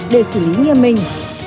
để xử lý nghiêm minh